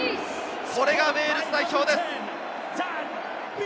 それがウェールズ代表です！